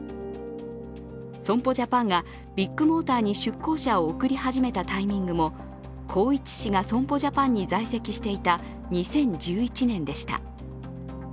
損保ジャパンがビッグモーターに出向者を送り始めたタイミングも宏一氏が損保ジャパンに在籍していた２０１１年でした。